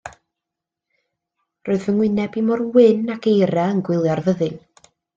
Roedd fy wyneb i mor wyn ag eira yn gwylio'r fyddin.